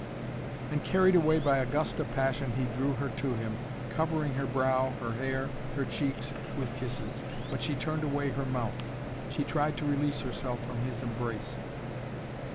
And, carried away by a gust of passion, he drew her to him, covering her brow, her hair, her cheeks with kisses. But she turned away her mouth. She tried to release herself from his embrace.